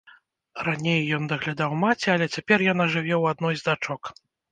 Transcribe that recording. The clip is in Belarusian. Раней ён даглядаў маці, але цяпер яна жыве ў адной з дачок.